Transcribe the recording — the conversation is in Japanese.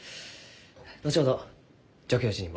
後ほど助教授にも。